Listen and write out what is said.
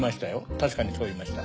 確かにそう言いました。